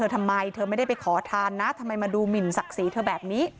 เกิดขึ้นค่ะ